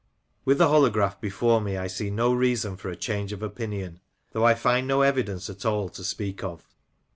With the holograph before me, I see no reason for a change of opinion, though I find no evi dence at all to speak of.